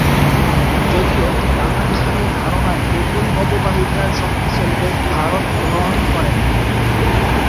যদিও, বাংলাদেশের এই ধারনা একই অববাহিকার শক্তিশালী দেশ ভারত গ্রহণ করে না।